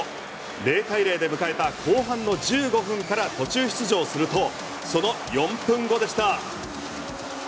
０対０で迎えた後半の１５分から途中出場するとその４分後でした。